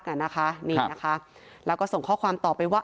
อ่ะนะคะนี่นะคะแล้วก็ส่งข้อความต่อไปว่า